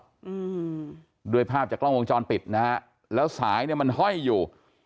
อืมด้วยภาพจากกล้องวงจรปิดนะฮะแล้วสายเนี้ยมันห้อยอยู่